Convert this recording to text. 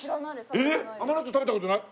えっ甘納豆食べた事ない？